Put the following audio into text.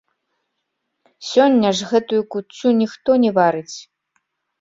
Сёння ж гэтую куццю ніхто не варыць.